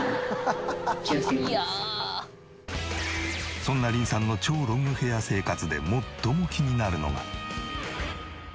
そんなリンさんの超ロングヘア生活で最も気になるのが。